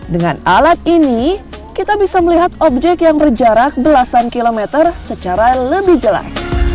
dengan alat ini kita bisa melihat objek yang berjarak belasan kilometer secara lebih jelas